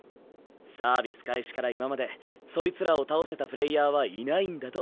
サービス開始から今までそいつらを倒せたプレイヤーはいないんだと。